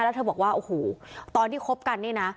แล้วเธอบอกว่าโอ้โหตอนที่คบกันนี่นะ